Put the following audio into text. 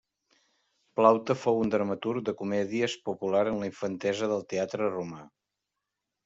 Plaute fou un dramaturg de comèdies popular en la infantesa del teatre romà.